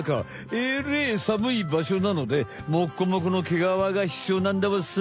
えれえさむいばしょなのでモッコモコのけがわがひつようなんだわさ。